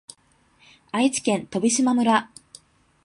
愛知県飛島村